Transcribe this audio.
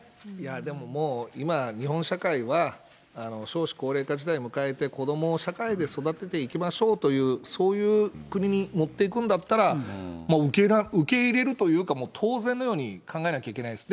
でももう、今、日本社会は少子高齢化時代を迎えて、子どもを社会で育てていきましょうという、そういう国に持っていくんだったら、もう受け入れるというか、当然のように考えなきゃいけないです。